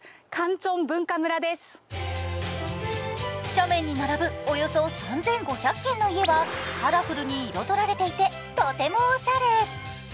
斜面に並ぶおよそ３５００軒の家はカラフルに彩られていてとてもおしゃれ。